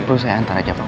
perlu saya hantar aja pak